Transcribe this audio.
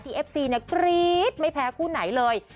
ที่เอฟซีกริ๊ดไม่แพ้ทางคู่ไหนเลย